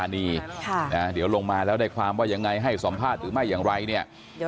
น้าตามันเป็นอย่างไร